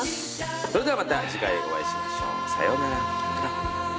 それではまた次回お会いしましょうさよなら。